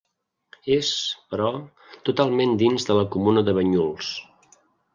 És, però, totalment dins de la comuna de Banyuls.